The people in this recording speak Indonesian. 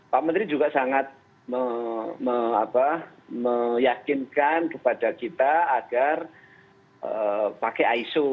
pak menteri juga sangat meyakinkan kepada kita agar pakai iso